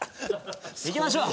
いきましょう！